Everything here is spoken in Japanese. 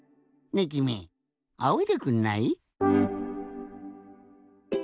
ねえきみあおいでくんない？